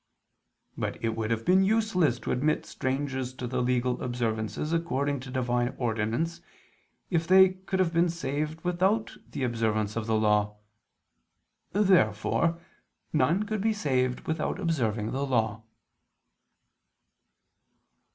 But it would have been useless to admit strangers to the legal observances according to Divine ordinance, if they could have been saved without the observance of the Law. Therefore none could be saved without observing the Law.